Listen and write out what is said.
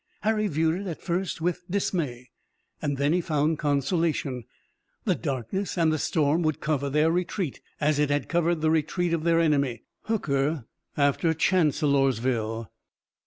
Harry viewed it at first with dismay, and then he found consolation. The darkness and the storm would cover their retreat, as it had covered the retreat of their enemy, Hooker, after Chancellorsville.